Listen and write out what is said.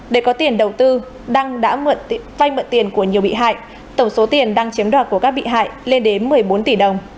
để có tiền đầu tư đăng đã vay mượn tiền của nhiều bị hại tổng số tiền đăng chiếm đoạt của các bị hại lên đến một mươi bốn tỷ đồng